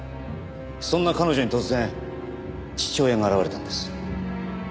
そんな彼女に突然父親が現れたんです。